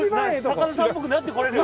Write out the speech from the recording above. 高田さんっぽくなってこれるよ。